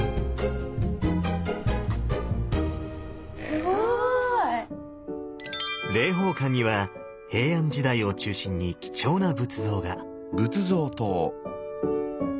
すごい！霊宝館には平安時代を中心に貴重な仏像が。